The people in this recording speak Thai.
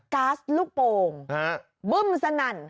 ๊าซลูกโป่งบึ้มสนั่น